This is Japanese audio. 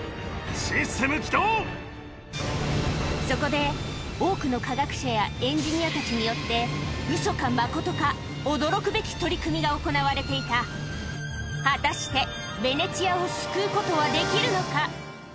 そこで多くの科学者やエンジニアたちによって行われていた果たしてベネチアを救うことはできるのか？